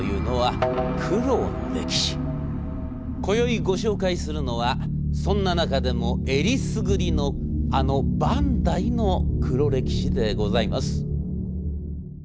今宵ご紹介するのはそんな中でもえりすぐりのあのバンダイの黒歴史でございます。